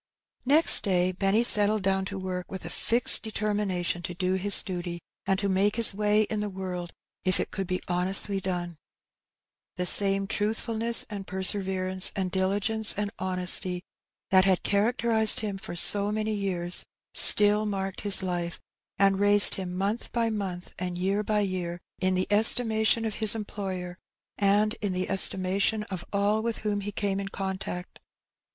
Next day Benny settled down to work with a fixed The Reward op Well doing. 285 determination to do his daty^ and to make his way in the world if it could be honestly done. The same truthfulness and perseverance, and diligence and honesty that had characterized him for so many years still marked his life, and raised him month by month and year by year in the estimation of his employer and in the estimation of all with whom he came in contact.